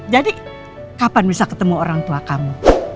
jadi kapan bisa ketemu orang tua kamu